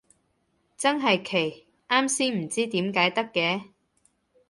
真係奇，啱先唔知點解得嘅